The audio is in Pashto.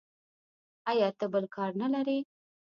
ایا ته بل کار نه لرې.